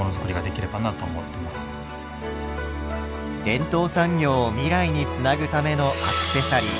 伝統産業を未来につなぐためのアクセサリー。